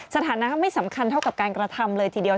สถานะไม่สำคัญเท่ากับการกระทำเลยทีเดียว